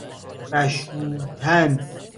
بَشوتن